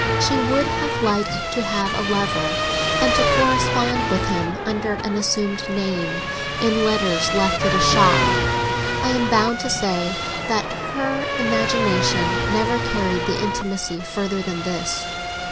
She would have liked to have a lover, and to correspond with him under an assumed name in letters left at a shop; I am bound to say that her imagination never carried the intimacy farther than this.